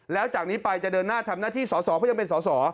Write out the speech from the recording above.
แล้วจากนี้ไปจะเดินหน้าทำหน้าที่สอสอเพราะยังเป็นสอสอ